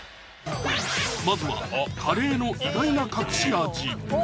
まずはカレーの意外な隠し味